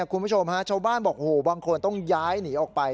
คุณผู้ชมฮะชาวบ้านบอกบางคนต้องย้ายหนีออกไป